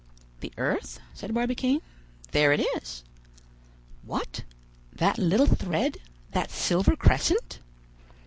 "The earth?" said Barbicane. "There it is." "What! that little thread; that silver crescent?"